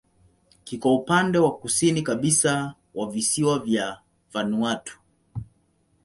Kiko upande wa kusini kabisa wa visiwa vya Vanuatu.